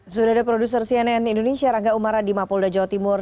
sudah ada produser cnn indonesia rangga umara di mapolda jawa timur